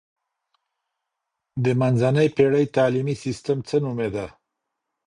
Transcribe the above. د منځنۍ پېړۍ تعلیمي سیستم څه نومیده؟